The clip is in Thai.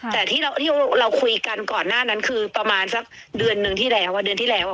แต่ที่เราคุยกันก่อนหน้านั้นคือประมาณสักเดือนหนึ่งที่แล้วเดือนที่แล้ว